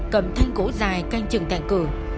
cầm thanh cổ dài canh trừng tại cửa